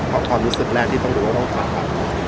ความรู้สึกแรกที่ต้องรู้ว่าต้องผ่าแบบนี้